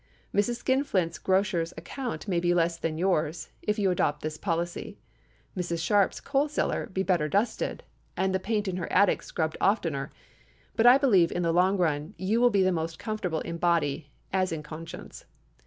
Mrs. Skinflint's grocer's account may be less than yours, if you adopt this policy—Mrs. Sharp's coal cellar be better dusted, and the paint in her attic scrubbed oftener; but I believe, in the long run, you will be the most comfortable in body, as in conscience.